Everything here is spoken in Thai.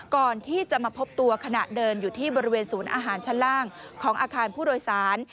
ก่อนที่จะมาพบตัวขณะเดินอยู่ที่บริเวณศูนย์อาหารชั้นล่างของอาคารผู้โดยสาร